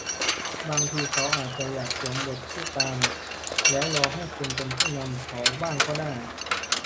บางทีเขาอาจจะอยากสวมบทผู้ตามแล้วรอให้คุณเป็นผู้นำเขาบ้างก็ได้